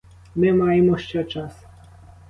Ми маємо ще час.